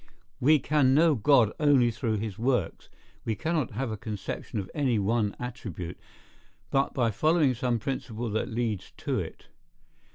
We can know God only through his works. We cannot have a conception of any one attribute, but by following some principle that leads to it.